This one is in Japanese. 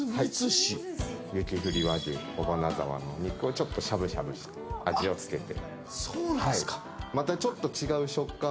雪降り和牛尾花沢のお肉をしゃぶしゃぶして、味をつけて。